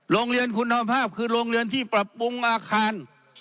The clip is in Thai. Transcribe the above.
โรงเรียนคุณภาพคือโรงเรียนที่ปรับปรุงอาคาร